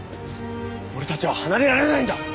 俺たちは離れられないんだ！